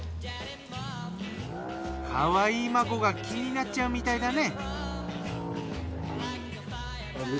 かわいい孫が気になっちゃうみたいだね。